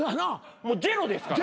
もうジェロですから。